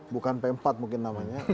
bukan pempat mungkin namanya